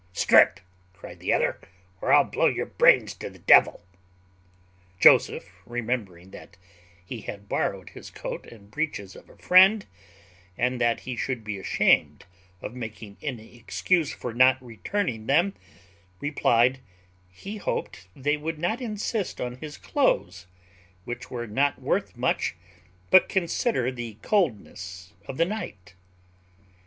"Strip," cried the other, "or I'll blow your brains to the devil." Joseph, remembering that he had borrowed his coat and breeches of a friend, and that he should be ashamed of making any excuse for not returning them, replied, he hoped they would not insist on his clothes, which were not worth much, but consider the coldness of the night.